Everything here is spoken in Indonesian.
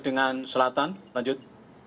dengan selatan lanjut